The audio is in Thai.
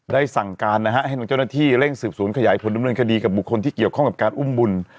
สั่งการนะฮะให้เจ้าหน้าที่เร่งสืบสวนขยายผลดำเนินคดีกับบุคคลที่เกี่ยวข้องกับการอุ้มบุญ